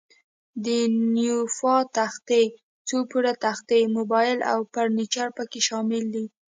د نیوپان تختې، څو پوړه تختې، موبل او فرنیچر پکې شامل دي.